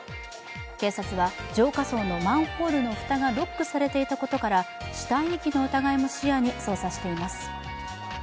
警察は、浄化槽のマンホールの蓋がロックされていたことから死体遺棄の疑いも視野に捜査しています。